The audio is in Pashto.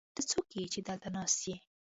ته څوک يې، چې دلته ناست يې؟